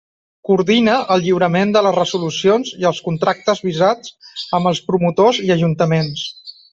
Coordina el lliurament de les resolucions i els contractes visats amb els promotors i ajuntaments.